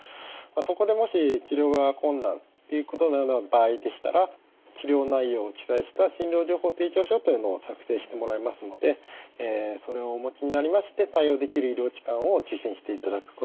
そこでもし治療が困難っていうことのような場合でしたら治療内容を記載した診療情報提供書というのを作成してもらえますのでそれをお持ちになりまして対応できる医療機関を受診していただくことがいいと思います。